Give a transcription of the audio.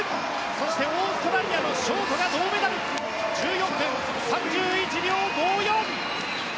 そしてオーストラリアのショートが銅メダル１４分３１秒５４。